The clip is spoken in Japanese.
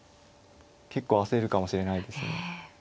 結構焦るかもしれないですね。